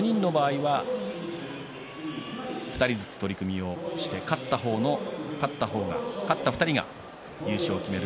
４人の場合は２人ずつ取組をして勝った２人が優勝を決める